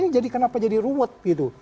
jadi kenapa jadi ruwet gitu